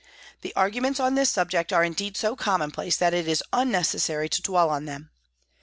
The arguments on this subject are indeed so commonplace that it is un necessary to dwell on them.